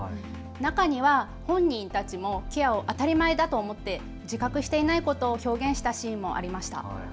中には本人たちもケアを当たり前だと思って自覚していないことを表現したシーンもありました。